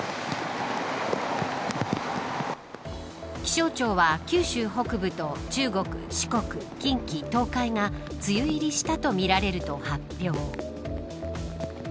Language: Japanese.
気象庁は九州北部と中国、四国近畿、東海が梅雨入りしたとみられると発表。